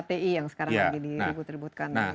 ada hti yang sekarang lagi di tributkan